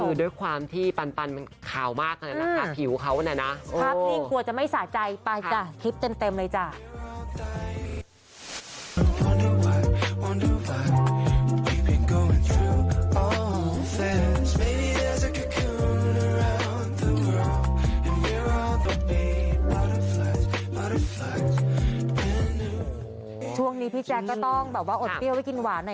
คือด้วยความที่ปันขาวมากเลยนะคะผิวเขาเนี่ยนะ